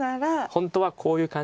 本当はこういう感じで。